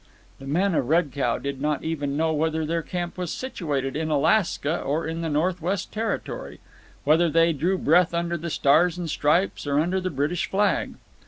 The men of Red Cow did not even know whether their camp was situated in Alaska or in the North west Territory, whether they drew breath under the stars and stripes or under the British flag.